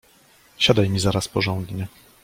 Siadaj mi zaraz porządnie!